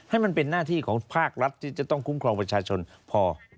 ให้มันเป็นหน้าที่ของภาครัฐที่จะต้องคุ้มครองประชาชนพอ